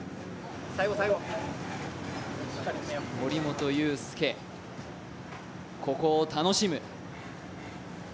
森本裕介、ここを楽しむ。